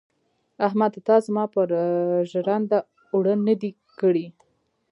احمده تا زما پر ژرنده اوړه نه دې کړي.